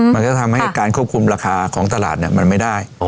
มันก็ทำให้การควบคุมราคาของตลาดมันไม่ได้